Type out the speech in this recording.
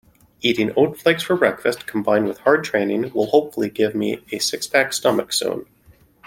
Eating oat flakes for breakfast combined with hard training will hopefully give me a six-pack stomach soon enough.